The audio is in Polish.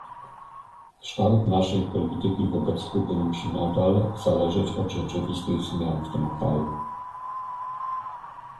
Kształt naszej polityki wobec Kuby musi nadal zależeć od rzeczywistych zmian w tym kraju